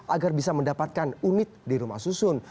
agar bisa mendapatkan unit di rumah susun